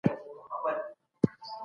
استازي به د سولي خبري وکړي.